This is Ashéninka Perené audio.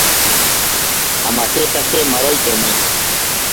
Amajetaje maaroiteni.